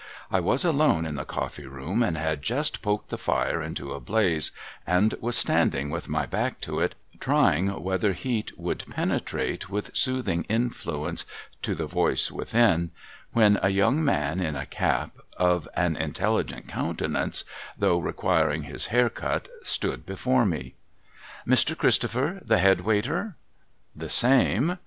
I was alone in the Coffee room, and had just poked the fire into a blaze, and was standing with my back to it, trying whether heat would penetrate with soothing influence to the Voice within, when a young man in a cap, of an intelligent countenance, though requiring his hair cut, stood before me. ' Mr. Christopher, the Head Waiter ?'' The same.'